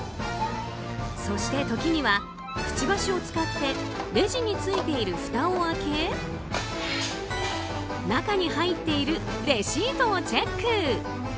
そして時には、くちばしを使ってレジについているふたを開け中に入っているレシートをチェック。